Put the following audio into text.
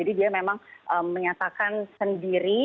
dia memang menyatakan sendiri